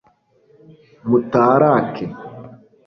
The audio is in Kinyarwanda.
mutarake